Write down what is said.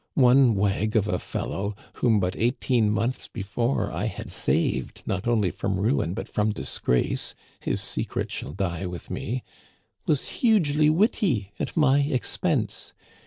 One wag of a fellow, whom but eighteen months before I had saved not only from ruin but from disgrace (his secret shall die with me), was hugely witty at my expense.